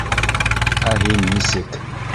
— Ә һин нисек?..